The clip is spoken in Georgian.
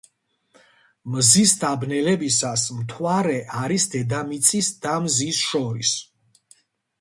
მზის დაბნელებისას მთვარე არის დედამიწის და მზის შორის.